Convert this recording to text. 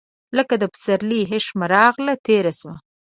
لکه د پسرلي هیښمه راغله، تیره سوه